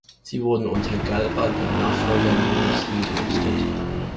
Sie wurde unter Galba, dem Nachfolger Neros, hingerichtet.